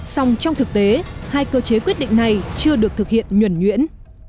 xong trong thực tế hai cơ chế quyết định này chưa được thực hiện nhuẩn nhuyễn